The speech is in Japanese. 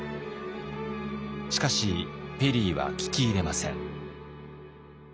しかしペリーは聞き入れません。